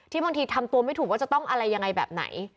บางทีทำตัวไม่ถูกว่าจะต้องอะไรยังไงแบบไหน